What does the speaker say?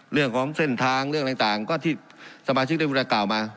เรื่องของเส้นทางเรื่องต่างก็ที่สมาชิกได้บูรณากล่าวมา